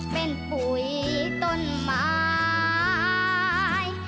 เป็นปุ๋ยต้นไม้